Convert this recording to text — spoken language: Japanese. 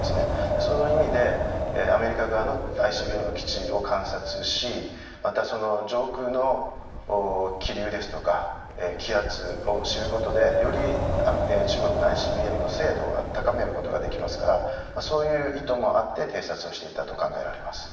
その意味で、アメリカ側のＩＣＢＭの基地を観察しまたその上空の気流ですとか気圧を知ることでより中国のＩＣＢＭの精度を高めることができますからそういう意図もあって偵察をしていたと考えられます。